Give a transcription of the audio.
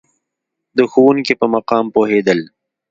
د ښوونکي په مقام پوهېدل.